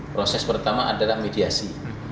proses pertama adalah mediasi